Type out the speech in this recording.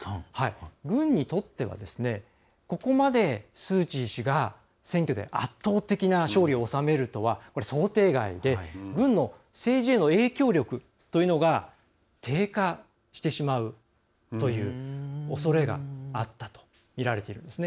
軍にとってはここまでスー・チー氏が選挙で圧倒的な勝利を収めるとは想定外で軍の政治への影響力というのが低下してしまうというおそれがあったとみられているんですね。